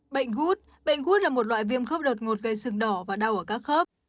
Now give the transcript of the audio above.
bệnh hút bệnh gút là một loại viêm khớp đột ngột gây sừng đỏ và đau ở các khớp